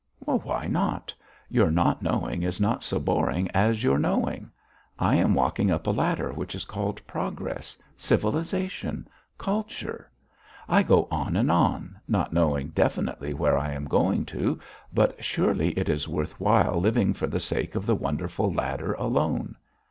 "Why not? Your 'not knowing' is not so boring as your 'knowing.' I am walking up a ladder which is called progress, civilisation, culture. I go on and on, not knowing definitely where I am going to, but surely it is worth while living for the sake of the wonderful ladder alone.